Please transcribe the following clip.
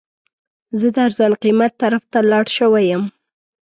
زه د ارزان قیمت طرف ته لاړ شوی یم.